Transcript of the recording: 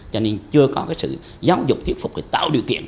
cho nên chưa có sự giáo dục thiết phục để tạo điều kiện